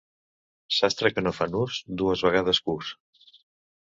Sastre que no fa nus, dues vegades cus.